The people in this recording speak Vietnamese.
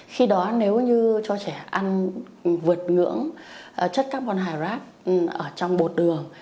khi đó nếu như cho trẻ ăn vượt ngưỡng chất carbon hydrab ở trong bột đường